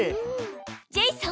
ジェイソン！